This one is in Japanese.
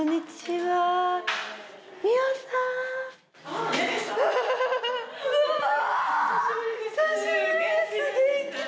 はい。